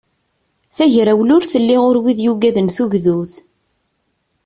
Tagrawla ur telli ɣur wid yugaden tugdut.